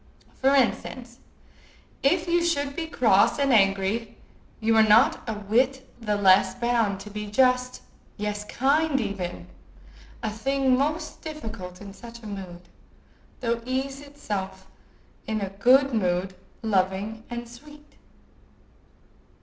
For instance, if you should be cross and angry, you are not a whit the less bound to be just, yes, kind even—a thing most difficult in such a mood—though ease itself in a good mood, loving and sweet.